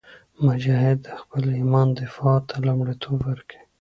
مجاهد د خپل ایمان دفاع ته لومړیتوب ورکوي.